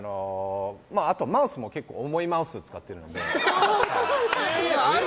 あとマウスも重いマウスを使ってるので。